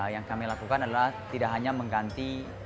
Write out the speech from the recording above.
yang kami lakukan adalah tidak hanya mengganti